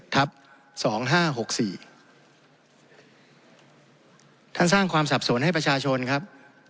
ท่านสร้างความสับสนให้ประชาชนครับ